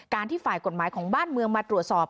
ที่ฝ่ายกฎหมายของบ้านเมืองมาตรวจสอบ